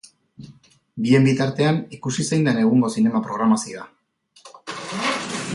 Bien bitartean, ikusi zein den egungo zinema-programazioa!